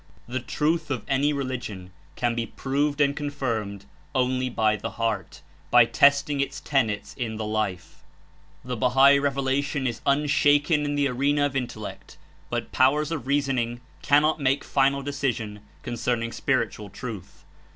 The truth of any religion can be proved and con firmed only by the heart, by testing its tenets In the life. The Bahal Revelation Is unshaken in the arena of Intellect, but powers of reasoning cannot make final decision concerning spiritual truth.